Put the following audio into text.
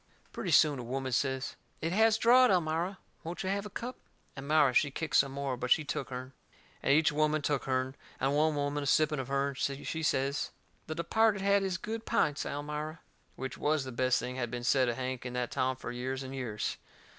Pretty soon a woman says: "It has drawed, Elmira; won't you have a cup?" Elmira she kicked some more, but she took hern. And each woman took hern. And one woman, a sipping of hern, she says: "The departed had his good pints, Elmira." Which was the best thing had been said of Hank in that town fur years and years.